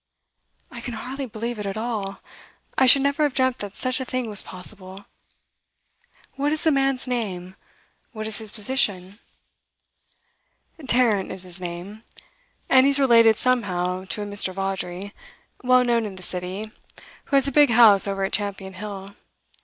'I can hardly believe it at all. I should never have dreamt that such a thing was possible. What is the man's name? what is his position?' 'Tarrant is his name, and he's related somehow to a Mr. Vawdrey, well known in the City, who has a big house over at Champion Hill.